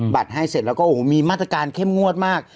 ให้เสร็จแล้วก็โอ้โหมีมาตรการเข้มงวดมาก